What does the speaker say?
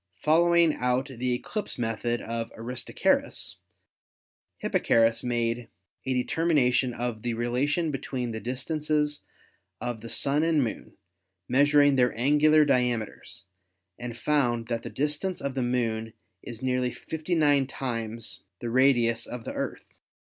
Following out the eclipse method of Aristarchus, Hipparchus made a determination of the relation between the distances of the Sun and Moon, measuring their angular diameters, and found that the distance of the Moon is nearly 59 times the radius of the Earth.